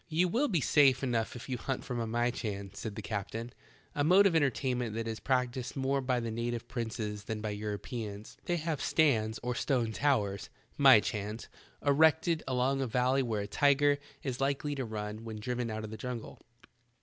"You will be safe enough if you hunt from a myehan," said the eaptain, "a mode of entertain ment that is praetieed more by the native prinees than by Europeans. They have stands or stone towers (myehans) ereeted along a valley where a tiger is likely to run when driven out of the jungle.